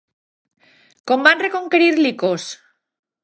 Com van reconquerir Licos?